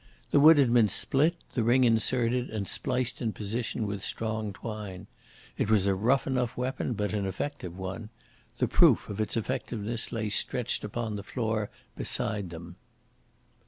The wood had been split, the ring inserted and spliced in position with strong twine. It was a rough enough weapon, but an effective one. The proof of its effectiveness lay stretched upon the floor beside them.